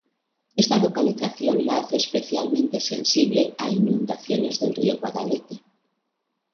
Esta localización la hace especialmente sensible a inundaciones del río Guadalete.